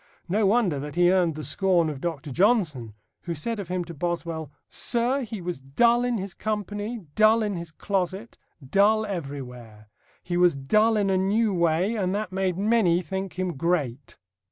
No wonder that he earned the scorn of Dr. Johnson, who said of him to Boswell, "Sir, he was dull in his company, dull in his closet, dull everywhere. He was dull in a new way, and that made many think him great."